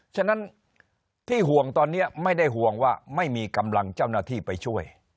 ฉะนั้นที่ห่วงตอนนี้ไม่ได้ห่วงว่าไม่มีกำลังเจ้าหน้าที่ไปช่วย